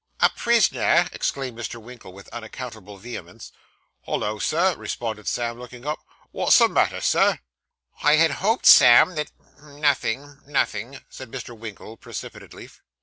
'A prisoner!' exclaimed Mr. Winkle, with unaccountable vehemence. 'Hollo, sir!' responded Sam, looking up. 'Wot's the matter, Sir?' 'I had hoped, Sam, that Nothing, nothing,' said Mr. Winkle precipitately.